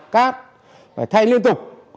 cát phải thay liên tục